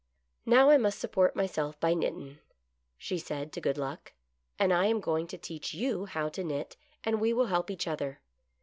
" Now I must support myself by knittin'," she said to Good Luck, " and I am goin' to teach you how to knit, and we will help each other.